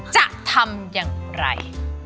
จะทำอย่างไร